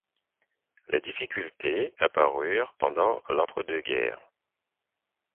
Les difficultés apparurent pendant l'Entre-deux-guerres.